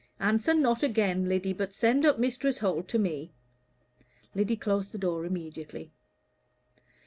"Answer not again, Lyddy, but send up Mistress Holt to me." Lyddy closed the door immediately.